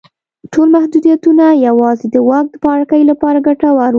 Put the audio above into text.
ټول محدودیتونه یوازې د واکمن پاړکي لپاره ګټور وو.